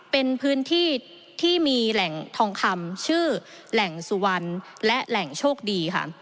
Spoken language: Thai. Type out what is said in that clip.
เป็นพื้นที่ที่มีแหล่งทองคำชื่อแหล่งสุวรรณและแหล่งโชคดีค่ะ